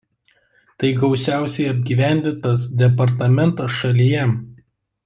Tai gausiausiai apgyvendintas departamentas šalyje.